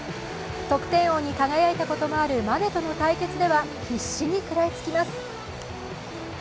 得点王に輝いたこともあるマネとの対決では必死に食らいつきます。